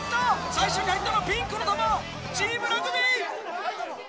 最初に入ったのはピンクの玉チームラグビー！